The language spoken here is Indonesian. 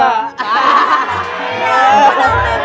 gak mau namanya barengan gitu